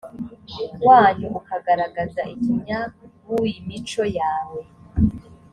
wanyu ukagaragaza ikinyabuimico yawe